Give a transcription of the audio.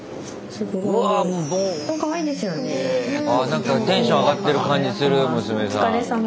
なんかテンション上がってる感じする娘さん。